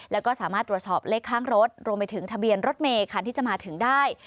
แล้วก็สามารถตรวจสอบเลขข้างรถรวมไปถึงทะเบียนรถเมคันที่จะมาถึงได้